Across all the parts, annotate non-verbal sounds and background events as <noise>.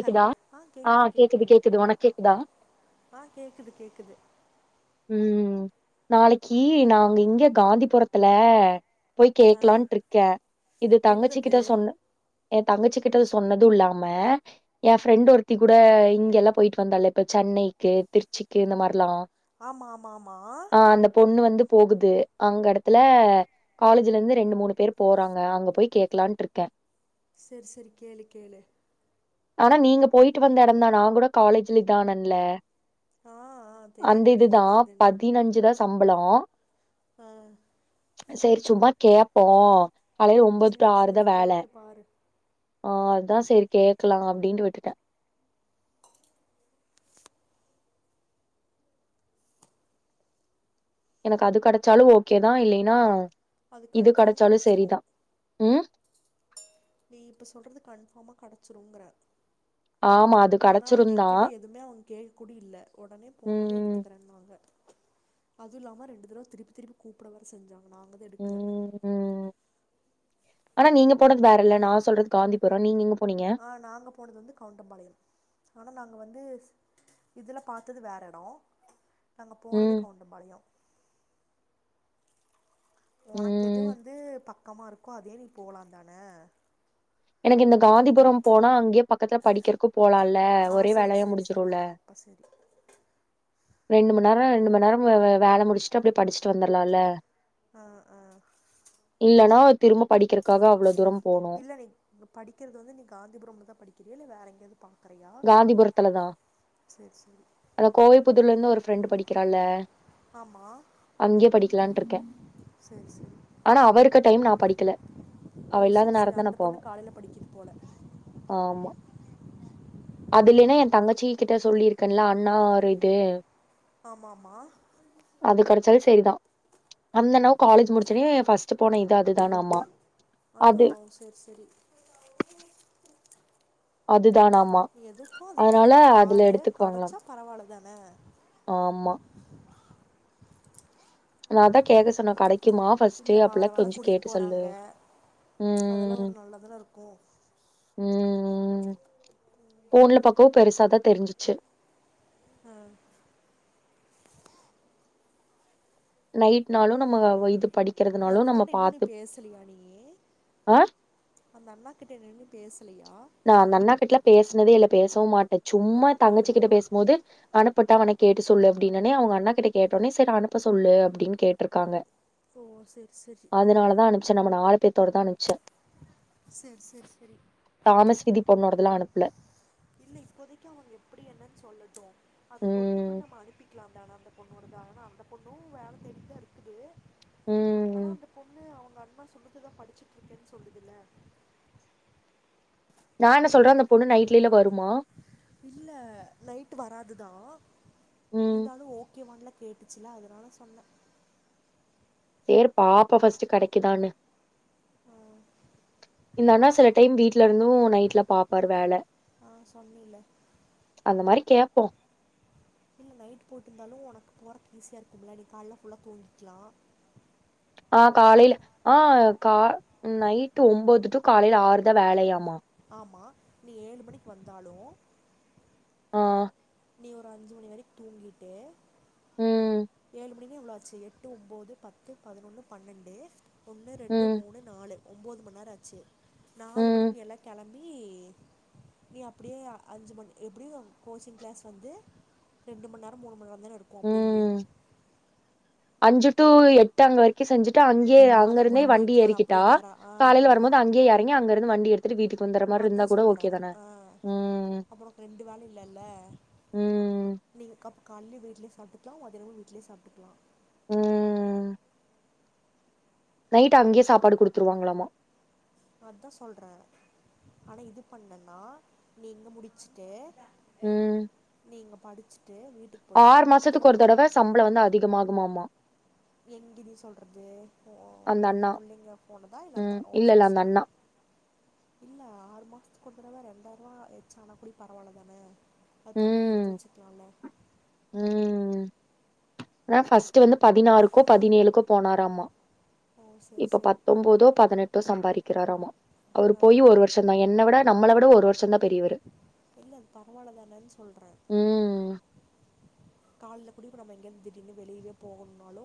Hello ஆ கேக்குது கேக்குது ஆ கேக்குது கேக்குது ம் நாளைக்கி நாங்க இங்க காந்திபுரத்துல போய் ஆ கேக்லான்ட்ருக்கே இது என்னது தங்கச்சிக்கிட்ட சொன்னே எ தங்கச்சி கிட்ட சொன்னதுல்லாம எ ஃப்ரெண்ட் ஒருத்தி கூட இங்கெல்லா போய்ட்டு வந்தால இப்ப சென்னைக்கு திருச்சிக்கு இந்த மார்லா ஆமாமாமா ஆ அந்த பொண்ணு வந்து போகுது அங்க எடத்துல காலேஜுலெந்து ரெண்டு மூனு பேர் போறாங்க அங்க போய் கேக்லான்ட்ருக்கே செர் செரி கேளு கேளு ஆனா நீங்க போய்ட்டு வந்த எடந்தா நா கூட காலேஜ்ல இதானன்ல ஆ ஆ தெரிது தெரிது ஆ பதினஞ்சு தா சம்பளோ ஆ செரி சும்மா கேப்போ காலைல ஒம்போது டூ செரி ஆறு தா செரி வேல கேட்டு பாரு ஆ அதா செரி கேக்லா அப்டின்ட்டு விட்டுட்டே எனக்கு அது கடச்சாலு ஓகே தா இல்லைனா அது இது கன்ஃபார்ம் கடச்சாலு கெடச்சிரு செரிதா ம் நீ இப்போ சொல்றது கன்ஃபாமா கடச்சிருங்ற ஆமா அது ஏனா அவுங்க கெடச்சிருந்தான் என்கிட்ட எதுமே அவங் கேக்கூடி இல்ல ஒடனே போனோனே ம் எடுத்துக்குறேன்னாங்க அதுவுல்லாம ரெண்டு தடவ திருப்பி திருப்பி கூப்ட வேற செஞ்சாங்க நாங்கதா எடுக்ல ம் ம் ஆனா நீங்க போனது வேறல நா சொல்றது காந்தி புரோ நீங்க எங்க போனீங்க ஆ நாங்கப் போனது வந்து கவுண்டம்பாளையம் ஆனா நாங்க வந்து இதுல பாத்தது வேறெடோ நாங்க போனது ம் கவுண்டம்பாளையம் ஒனக்கெது ம் வந்து பக்கமாருக்கோ அதே நீ போலாந்தான எனக்கிந்த காந்திபுரம் போனா அங்கே பக்கத்ல படிக்றக்கு போலால ஆ ஒரே சேரி வேலயா சேரி சேரி ஆ முடிஞ்சிருல அப்ப சேரி ரெண்டுமண் நேரோ ரெண்டுமண் நேரோ வேல முடிச்ட்டு அப்டே படிச்ட்டு வந்தர்லால ஆ ஆ இல்லனா திரும்ப படிக்கிறக்காக அவ்வளோ தூரம் போணும் இல்ல நீ படிக்கிறது வந்து நீ காந்திபுரம்ல தா படிக்கிறிய இல்ல வேற எங்கியாவது பா க்கறையா செரி செரி அதா கோவை புதூர்லருந்து ஒரு ஃப்ரெண்டு் படிக்கிறால ஆமா அங்கியே படிக்கலான்ட்டு ருக்கே சேரி சேரி ஆனா அவ இருக்க டைம் நா படிக்கல அவ ஓ இல்லாத செரி செரி நேரந்தா நா அந்த பொண்ணு போவே காலையில படிக்கிது போல ஆமா அதுலின்னா என தங்கச்சி கிட்ட சொல்லியிருக்கேன்ல அண்ணா ஒரு இது ஆமாமா அது கெடைச்சாலு செரிதா அந்தண்ணாவு காலேஜ் முடிச்சொனே ஃபர்ஸ்ட்டு போன இது அது தானா மா அத்தா உ செரி செரி அதுதானாமா நீ எதுக்கோ அத அதனால கேட்டு அதுல பாரு எடுத்துக்குவாங்ளா கடச்சா பரவால்ல தான ஆமா நா அதா கேக்க சொன்னே கெடைக்குமா இல்ல ஃபஸ்ட்டு வார அப்பல்லா வாரம் கொஞ்ச கூட்டிட்டு கேட்டு சொல்லு போறாங்க ம் அதெல்லா ம் ஒரு ம் நல்லதான இருக்கு ம் ம் போன்ல பக்கவு பெருசாதா தெரிஞ்சிச்சி ஆ நைட் நாளு நம்ம இது படி நீ அந்தண்ணாட்ட இன்னு நீ பேசலியா நீயி ஆ அந்த அண்ணா கிட்ட என்னென்னு பேசலையா நா அந்த அண்ணா கிட்டல பேசுனதே இல்ல பேசவும மாட்டே சும்மா அப்டியா தங்கச்சிக்கிட்ட பேசும் போது அனுப்புட்ட அவன கேட்டு சொல்லு அப்டின்னொன்னே அவங்க அண்ணா கிட்ட கேட்டொனே சரி அனுப்ப சொல்லு அப்டின் கேட்டிருக்காங்க ஓ செரி செரி அதனாலதா அனுப்பச்சே நம்ம நாலுப்பேத்தோட தா அனுப்பிச்சே சர் சர் சரி தாமஸ்வீதி பொண்ணோடதெல்லா அனுப்பல இல்ல இப்போதைக்கு அவங்க எப்டி என்னன்னு சொல்லட்டு அது பொறுத்து ம். கூள்ள நம்ம அனுப்பி க்லாம்ந்தானா அந்த பொண்ணோடது ஆனா அந்த பொண்ணு வேல தேடித்தா இருக்குது ஆனா ம். அந்த பொண்ணு அவுங்க அன்மா சொல்றதுதா படிச்சுட்டு இருக்கேன் சொல்லுது இல்ல நா என்ன சொல்றே அந்த பொண்ணு நைட்லேலா வருமா இல்ல நைட் வராதுதா ம். இருந்தாலு ஓக் கேவான்ல கேட்டுச்சுல அதனால சொன்ன சேர் பாப்பா ஃபர்ஸ்ட்டு கெடைக்குதான்னு ஆ இந்த அண்ணா சில டைம் வீட்ல இருந்து நைட்ல பாப்பாரு வேல ஆ சொன்னீல அந்த மாரி கேப்போ இல்ல நைட்டு போட்டிருந்தாலு உனக்கு போறதுக் ஈஸியா இருக்கும்ல நீ கால்ல ஃபுல்லா தூங்கிக்லா ஆ காலைல ஆ கா நைட்டு் ஒம்போது டு காலையில ஆறு தா வேலையாமா ஆமா நீ ஏழு மணிக்கு வந்தாலு ஆ நீ ஒரு அஞ்சு மணி வரைக் தூங்கிட்டு ம். ஏழு மணினா எவ்ளோ ஆச்சு எட்டு, ஒம்போது, பத்து, பதனொன்னு, பன்னெண்டு, ஒன்னு, ரெண்டு, ம். மூணு, நாலு, ஒம்போது மணி நேர் ஆச்சு நாலு ம் மணிக்கு நீ எல்ல கெளம் ஏ நீ அப்டியே அஞ்சு மணி எப்டியு கோசிங் க்ளாஸ் வந்து ரெண்டு மண்நேரோ மூணு மண்நேரோ தான இருக்கு அப்டி ம் இல்லியா அஞ்சு டூ எட் ட்டா அங்க வரைக்கு செஞ்சுட்டு அங்கே அங்க அது கூட இருந்தே வண்டி போய்க்கலாம் ஏறிக்கிட்டா அப்படியே நேரம் ஆ காலைல வரு போது அவ்வளோதான் அங்கேயே எறங்கி அங்க இன்னு வண்டி எடுத் துட்டு வீட்டுக்கு வந்துற மாரி அதா இருந்தா கூட சொல்றே ஓகே தான ஆ ம்ம் அப்ப உனக்கு ரெண்டு வேல இல்லல்ல ம் நீங்க கப் கால்லே வீட்லியே சாப்டுக்லா மதியானமு வீட்லியே சாப்டுக்லா ம் நைட் அங்கயே சாப்பாடு குடுத்துருவாங்களாமா அதா சொல்ற ஆனா இது பண்ணன்னா நீ இங்க முடிச்சுட்டு ம் நீங்க படிச்சிட்டு வீட்டுக் ஆறு மாசத்துக்கு ஒரு தடவ சம்பளோ வந்து அதிகமாகுமாமா எங்கடி சொல்றது ஓ அந்த புள்ளைங்க போனதா இல்ல அந்த ம் ஓ செரி இல்லல்ல அந்த செரி அண்ணா இல்ல ஆறு மாசத்துக் ஒரு தடவ ரெண்டாயிரூவா எக்ச்சா ஆனா கூடி பரவாயில்ல தான அது தணினு எடுத்து ம் வச்சுக்குலால ம் அதா ஃபர்ஸ்ட் வந்து பதினாறுக்கோ பதினேழுக்கோ போனாராமா ஓ செரி இப்ப செரி பத்தொன்பதோ பதினெட்டோ சம்பாதிக்கிறாராமா அவரு ஆ போய் ஆ ஒரு வருஷோ தா என்ன விட நம்மள விட ஒரு வருஷோ தா பெரியவரு இல்ல பரவால்ல தானன்னு சொல்ற ம் கால்ல கூடி இப்போ நம்ம இங்கந்து திடீர்னு வெளிய போணுனாலு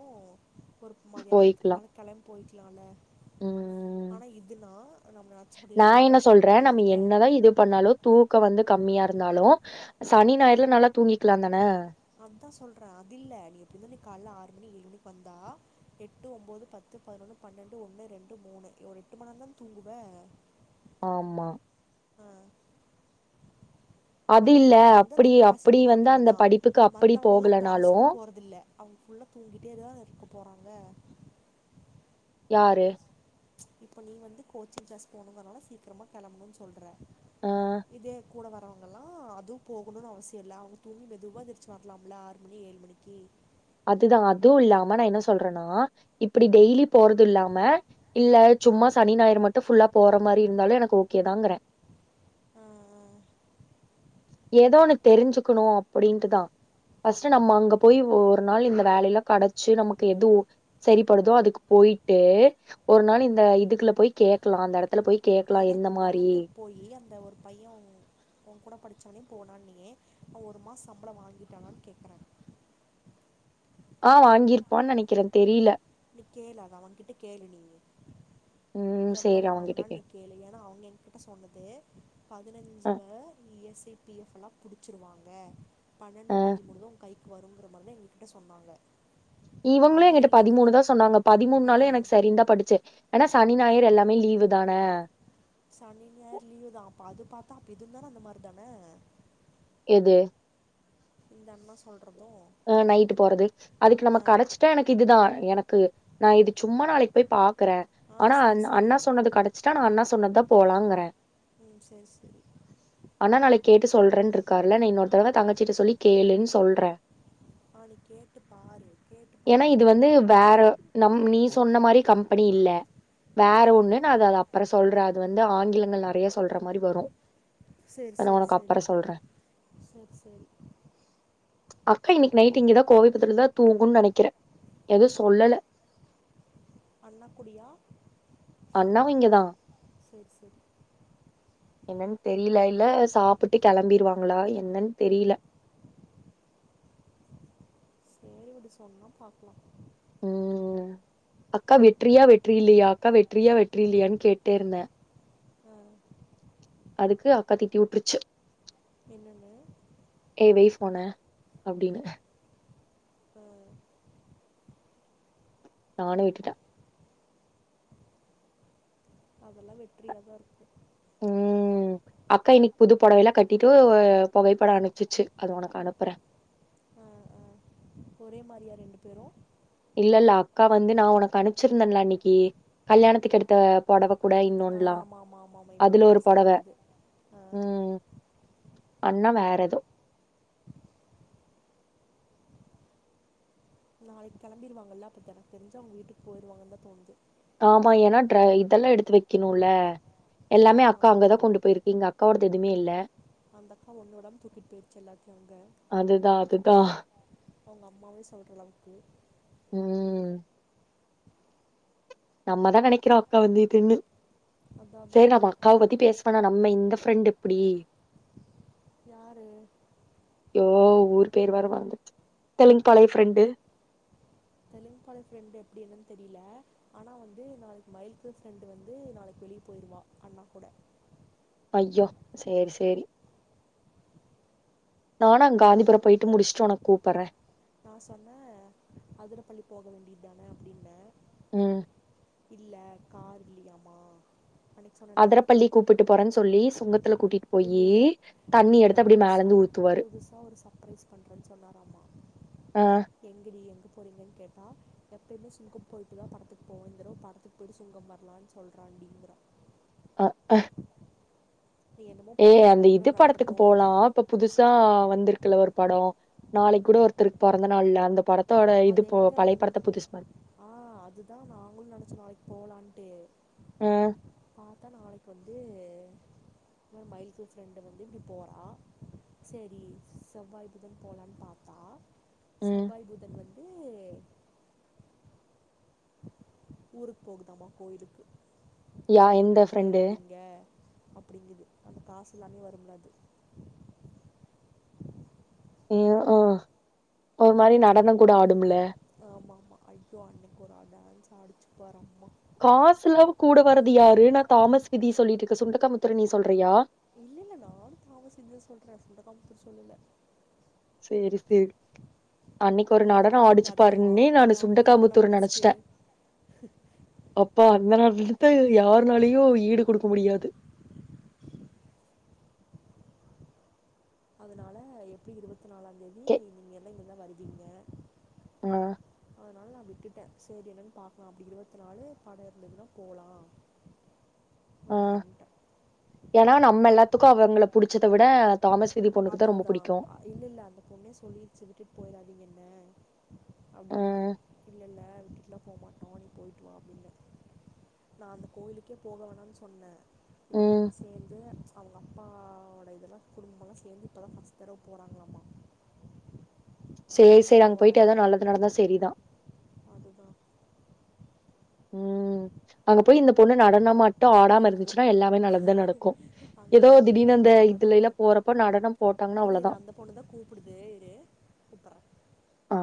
ஒரு மதியானத்துக் போய்க்கலா மேல கெளம் போயிக்கலால ம் ஆனா இதுன்னா நம்ம நச்ப்புடி லீவ் எல்லா போட முடியாதுல்ல அதா இது பண்ணாலோ தூக்க வந்து கம்மியா இருந்தாலோ சனி ஞாயிறுல நல்லா தூங்கிக்கிலா தான அதா சொல்ற அது இல்ல நீ எப்டி இருந்தாலு காலைல ஆறு மணி ஏழு மணிக் வந்தா எட்டு ஒம்பது பத் பத்து பதினொன்னு பன்னெண்டு ஒன்று ரெண்டு மூணு ஒரு எட்டு மண்நேரந்தா தூங்குவ ஆமா அ அது அதுவு இல்ல நீ வந்து அந்த அப்படி கிளாஸுக்கு அப்படி வந்து போறனால அந்த தா படிப்புக்கு அப்படி மத்தவங்கலா போகலனாலு கிளாஸுக்கு போறதில்ல அவுங்க ஃபுல்லா தூங்கிட்டே தான இருக்க போறாங்க யாரு இப்ப நீ வந்து கோச்சிங் கிளாஸ் போனுனால சீக்கிரமா கெளம்புனு சொல்ற ஆ இதே கூட வரவங்கலா அதுவு போகணுனு அவசியோ இல்ல அவுங்க தூங்கி மெதுவா எந்திரிச்சு வரலாம்ல ஆறு மணி ஏழு மணிக்கு அதுதா அதுவு இல்லாம நா என்ன சொல்றேன்னா இப்டி டெய்லி போறது இல்லாம இல்ல சும்மா சனி ஞாயிறு மட்டு ஃபுல்லா போற மாதிரி இருந்தாலு எனக்கு ஓகே தாங்குற அ அ ஏதோ ஒன்னு தெரிஞ்சுக்குணு அப்டின்யிட்டுதா ஃபர்ஸ்ட்டு நம்ம அங்க போய் ஒரு நாள் இந்த வேல எல்லா கெடச்சு நமக்கு எத ஓக் சேரிப்படுதோ அதுக்கு போயிட்டு ஒரு நாள் இந்த இதுக்குள்ள போய் கேக்லா அந்த எடத்துல போய் கேக்லா எந்த மாரி போயி அந்த ஒரு பைய ஓக் கூட படிச்சாவனே போனானீயே அவன் ஒரு மாசோ சம்பளோ வாங்கிட்டானான்னு கேக்குற ஆ வாங்கியிருப்பான்னு நெனைக்கிற தெரியில நீ கேளு அத அவன்கிட்ட கேளு நீங்க ம் எவ்வளோ சேரி அவங்கிட்ட வாங்கினா கே கேளு <unintelligible> எல்லா அவங்கிட்ட சொன்னது அ பதினைஞ்சு வ இ எஸ் சே பி எஃப் எல்லா புடிச்சிருவாங்க அ பன்னெண்டு பதிமூன்னு ஓ கைக் வருங்குற மாரிதா எங்ககிட்ட சொன்னாங்க இவங்களு அது என்கிட்ட பதிமூணு தா இல்லாமல் சொன்னாங்க பதிமூன்னு நாளு எனக்கு சரிதா பட்டுச்சு ஏனா சனி ஞாயிறு எல்லாமே லீவு தான சனி ஞாயிறு லீவு தா அப்ப அது பாத்தா அப்ப இது தான அந்த மாரி தான எது இந்தண்ணா சொல்றது ஆ நைட்டு போறது அதுக்கு நம்ம காலேஜ் னா எனக்கு இதுதா எனக்கு நா இது சும்மா நாளைக்கு போயி பாக்குறே ஆ ஆனா சரி சரி அண்ணா சொன்னது அடுத்த இஷ்ட அண்ணா சொன்னததா போலாங்கிறே ம் சேரி சேரி அண்ணா நாளைக்கு கேட்டு சொல்றேன்னு இருக்காருல நீ இன்னொரு தடவ தங்கச்சியிட்டு சொல்லி கேளுன்னு சொல்றே அவன கேட்டு பாரு கேட்டு ஏன்னா இது பார்த்துட்டு வந்து என்னன்னு பண்ணு வேற நம் நீ சொன்ன மாரி கம்பெனி இல்ல வேற ஆ ஒண்ணு ஆ அத அது அப்பற சொல்றே அது வந்து ஆன்லைன்ல நெறைய சொல்ற மாரி வரு செரி அத நா செரி உனக்கு செரி அப்பறோ சொல்றே செரி செரி செரி அக்கா இன்னைக்கு நைட்டு இங்கதா கோவில் பக்கத்துலதா தூங்குன்னு நெனைக்கிறே எதவு சொல்லல்ல அண்ணக்குடியா அண்ணா இங்குதா சேரி சேரி என்னன்னு தெரியல இல்ல சாப்ட்டு கெளம்பிடுவாங்களா என்னன்னு தெரியல சேரி விடு சொன்னா பாக்கலா ம் அக்கா வெற்றியா வெற்றில்லையா அக்கா வெற்றியா வெற்றி இல்லையான்னு கேட்டே இருந்தே ஆ அதுக்கு அக்கா தீட்டி விட்டுருச்சு என்னங்க ஏ வெய் சொன்ன அப்டின்ன ஆ நானு விட்டுட அதல்லா வெற்றியா தான் இருக்கு ம் அக்கா இன்னைக்கு புது பொடவைலா கட்டிட்டு பழைய பொடவை அனுப்புச்சுஅது உனக்கு அனுப்புறே ஆ ஆ ஒரே மாரியா ரெண்டு பேரு இல்ல இல்ல அக்கா வந்து நா உனக்கு அனுப்பிச்சுருந்தன்ல அன்னைக்கு கல்யாணத்துக்கு எடுத்த பொடவை கூட ஆ இன்னொன்ல்லா ஆமாம் ஆமாம் ஆமாம் ஆமாம் இவ்வளோ அதுல ஒரு காசுக்கு பொடவை எடுத்தது ஆ ம் அண்ணா வேற எது எல்லா நாளைக்கு கெம்பிருவாங்கல்ல அப்போ எனக்கு தெரிச்சா அவங்க வீட்டுக்கு போயிருவாங்கன்னுதா தோணுது ஆமா ஏன்னா ட்ரை இதுல்லா எடுத்து வைக்கனுல எல்லாமே அதுதான் அக்கா அங்கதா கொண்டு போயிருங்க அக்காவோடது எதுமே இல்ல அந்தக்கா ஒன்னோடம்ப தூக்கிட்டு போயிற்சி எல்லாத்தையு அங்க அதுதா அதுதா அவுங்கம்மாவு சொல்ற அளவுக்கு ம் நம்ம தா நெனைக்கிறோ அக்கா வந்து தின்ன்னு அதான் சேரி தான் நம்ம அக்காவ நான் பத்தி பேச இப்ப னா நம்ம இந்த ஃப்ரெண்ட்டு எப்டி யாரு யோ ஊர் பேர் வேற மறந்துருச்சு Telungupalayam friend Telungupalayam friend எப்டி என்னன் தெரில ஆனா வந்து நாளக்கி மயில்கஸ் ஃப்ரண்டு் வந்து நாளைக் வெளிய போயிருவா அண்ணா கூட அய்யோ சேரி சேரி நானு அங்க காந்திபுரோ போயிட்டு முடுஸ்ட்டு ஒனக்கு கூப்பறே நா சொன்னே அதரப்பள்ளி போக வேண்டிய தான அப்டின்னே ம் இல்ல கார் இல்லியாமா அதரப்பள்ளி கூப்புட்டு போறேன் சொல்லி சுங்கத்துல கூட்டிட்டு போயி தண்ணி எடுத்து அப்டியே மேலருந்து ஊத் புதுசா ஒரு சப்ரைஸ் பண்றேன் சொன்னாராமா அ எங்கடி எங்க போறீங்கன் கேட்டா எப்பயுமே சுங்கம் போய்ட்டு தா படத்துக் போவோ இந்த தடவ படத் துக்கு போய்ட்டு சுங்கம் வரலான் சொல்றான்டீங்கறா அ க நீ என்னமோ ஏ பண்ணு அந்த இது நடக்கிறது படத்துக்கு நடக்கட்டும் போலா இப்ப புதுசா வந்துருக்குல ஒரு படோ நாளைக் கூட ஒருத்தருக் பொறந்த நாள்ள அந்த படத் த்தோட அது இது போ எங்கே பழையப்படத்த வந்து புதுசு ம ஆ அதுதா நாங்களு நெனச்சோ நாளைக்கு போலான்ட்டு ம் பாத்தா நாளைக்கு வந் து இந்த மாரி மயிலுக் ஃப்ரண்டு வந்து இப்டி போறா சேரி செவ்வாய் புதன் போலான் பாத்தா ம் செவ்வாய் புதன் வந்து ஊருக்கு போகுதாமா கோயிலுக்கு யா என்ன எந்த விட்டுட் ஃப்ரெண்டு போயிறாதீங்க அப்டிங்குது அந்த காஸ் இல்லாமயே வரும்ல அது எ ஆ ஒரு மாரி நடனங் கூட ஆடும்ல ஆமாமா ஐயோ அன்னக்கி ஒரு டான்ஸ் ஆடுச்சு பாரு அம்மா காஸ் இல்லாம கூட வற்றது யாரு நா தாமஸ் விதி சொல்லிட்டு இருக்கே சுண்டக்கா முத்தர நீ சொல்றியா இல்லல்ல நானு தாமஸ் விதிதா சொல்றே சுண்டக்காமுத்ர சொல்லல சேரி சேர் அன்னக்கி ஒரு அது நடனோ ஆடினது ஆடுச்சு நடனமா பாருன்னோனே நா அது ஆடினது சுண்டக்காமுத்தூர நடனமா ஃபஸ்ட்டு நெனச்சுட்டே அப்பா அந்த நடனத்த யாருனாலயு ஈடு குடுக்க முடியாது அதுனால எப்டி இருவத் நாலாந் தேதி கே நீங்க எல்லா இங்கல்தா வருவீங்க அ அதுனால நா விட்டுட்டே சேரி என்னன் பாக்கலா அப்டி இருவத்தி நாலு பட இருந்ததுன்னா போலா அப்டின்ட்டே ஏனா நம்ம எல்லாத்துக்கு அவங்கள புடுச்சத விட தாமஸ் விதி அதாதா இல்ல இல்ல அந்த பொண்ணே சொல்லிருச்சு விட்டுட்டு போயிறாதீங்க என்ன அப்டின்ட்டு ம் இல்லல்ல விட்டுட்லா போமா டோ நீ போயிட்டு வா அப்டின்னே நா அந்த கோவிலுக்கே போக வேணானு சொன்னே ம் இவுங்கல்லா சேந்து அவுங்க அப்பாவோட இதலா குடும்பமலா சே சேந்து இப்ப தா ஃபஸ்ட் தடவ போறாங்களாமா சேர் சேர் அங்க போயிட்டு எதா நல்லது நடந்தா செரிதா அதுதா ம் அங்க போய் இந்த பொண்ணு நடன மட்டு ஆடாம இருந்து சுன்னா எல்லாமே நல்லது தா நடக்கும் ஏதோ அங்கெல்லாம் இப்படி திடீனு நடனம் அந்த இதுல ஆடாதுன்னு எல்லா போறப்ப நடனம் போட்டாங்கன்னா அவ்ளதா ஃபோனுதா கூப்புடுது இரு கூப்பற்றே ஆ